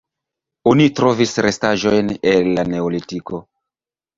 Oni trovis restaĵojn el la neolitiko.